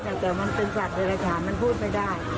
แต่มันเป็นสลัดเวลาขามันพูดไม่ได้